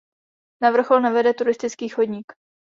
Na vrchol nevede turistický chodník.